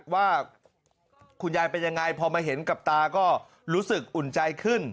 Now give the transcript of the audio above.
ว่าคุณยายเป็นยังไงพอมาเห็นกับตาก็รู้สึกอุ่นใจขึ้น